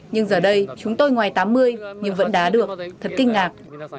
nhưng giờ đây chúng tôi ngoài tám mươi nhưng vẫn đá được thật kinh ngạc